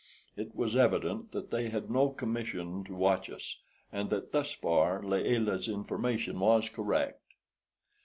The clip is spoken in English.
It was evident that they had no commission to watch us, and that thus far Layelah's information was correct.